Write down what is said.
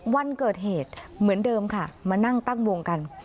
วันเกิดเหตุเหมือนเดิมค่ะมานั่งตั้งวงกัน